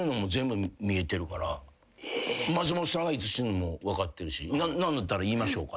「松本さんがいつ死ぬも分かってるし何だったら言いましょうか？」